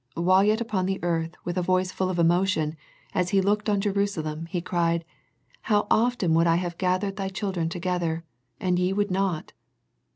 While yet upon the earth, with a voice full of emotion, as He looked on Jerusalem, He cried, " How often I would have gathered thy children together, ... and ye would not